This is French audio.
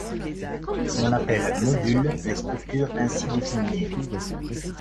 On appelle modules les structures ainsi définies.